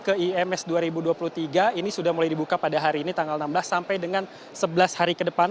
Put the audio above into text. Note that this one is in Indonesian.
ke ims dua ribu dua puluh tiga ini sudah mulai dibuka pada hari ini tanggal enam belas sampai dengan sebelas hari ke depan